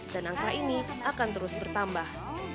dan angka ini akan terus bertambah